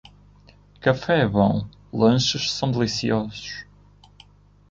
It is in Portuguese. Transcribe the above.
Café é bom, lanches são deliciosos.